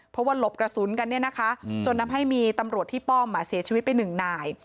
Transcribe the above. เพราะว่าหลบกระสุนกันเนี่ยนะคะจนทำให้มีตำรวจที่ป้อมเสียชีวิตไปหนึ่งนาย